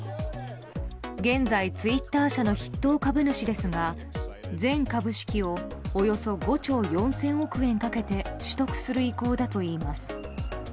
現在ツイッター社の筆頭株主ですが全株式をおよそ５兆４０００億円かけて取得する意向だといいます。